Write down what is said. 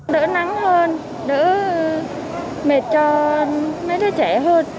đỡ nắng hơn đỡ mệt cho mấy đứa trẻ hơn